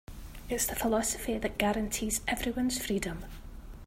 It's the philosophy that guarantees everyone's freedom.